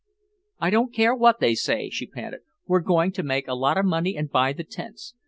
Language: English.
"I don't care what they say," she panted; "we're going to make a lot of money and buy the tents.